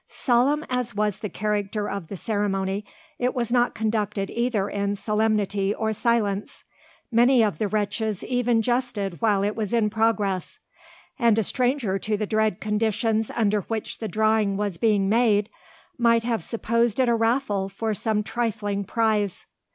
Solemn as was the character of the ceremony, it was not conducted either in solemnity or silence. Many of the wretches even jested while it was in progress; and a stranger to the dread conditions under which the drawing was being made might have supposed it a raffle for some trifling prize!